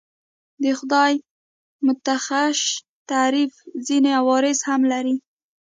د خدای متشخص تعریف ځینې عوارض هم لري.